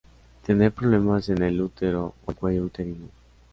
Tener problemas en el útero o el cuello uterino.